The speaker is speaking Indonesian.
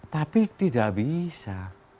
tapi tidak bisa